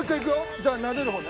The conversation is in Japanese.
じゃあなでる方ね。